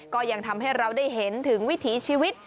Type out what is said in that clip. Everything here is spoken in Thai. ก็ยังทำให้เราได้เห็นถึงวิถีชีวิต